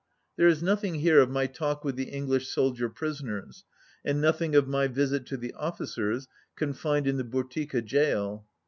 There is nothing here of my talk with the English soldier prisoners and nothing of my visit to the officers confined in the Butyrka Gaol.